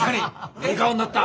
いい顔になった。